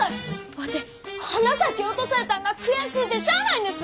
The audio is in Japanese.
ワテ花咲落とされたんが悔しゅうてしゃあないんです！